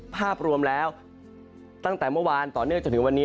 ภาพรวมแล้วตั้งแต่เมื่อวานต่อเนื่องจนถึงวันนี้